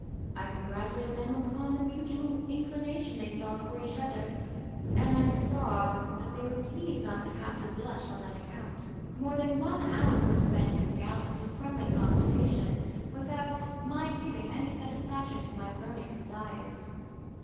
I congratulated them upon the mutual inclination they felt for each other, and I saw that they were pleased not to have to blush on that account. More than one hour was spent in gallant and friendly conversation, without my giving any satisfaction to my burning desires.